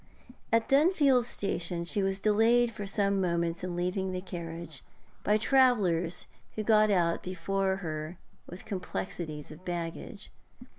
At Dunfield station she was delayed for some moments in leaving the carriage by travellers who got out before her with complexities of baggage.